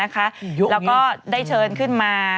แล้วก็ได้เชิญขึ้นมา